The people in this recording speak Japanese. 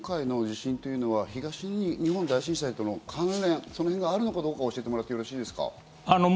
纐纈さん、今回の地震というのは東日本大震災との関連、そのへんがあるのかどうか教えてもらってよろしいですか。